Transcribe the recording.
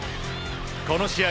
この試合